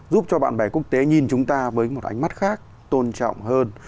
giúp cho bạn bè quốc tế nhìn chúng ta với một ánh mắt khác tôn trọng hơn